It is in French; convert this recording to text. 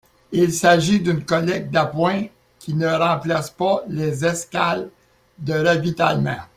Il s'agit d'une collecte d'appoint qui ne remplace pas les escales de ravitaillement.